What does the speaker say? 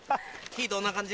火どんな感じ？